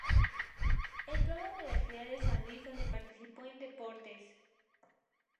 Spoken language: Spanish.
Entró a la Universidad de San Luis donde participó en deportes.